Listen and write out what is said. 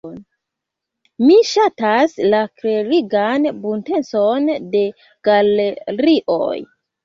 Mi ŝatas la klerigan buntecon de galerioj.